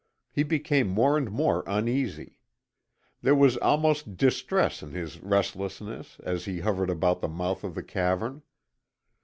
He became more and more uneasy. There was almost distress in his restlessness as he hovered about the mouth of the cavern.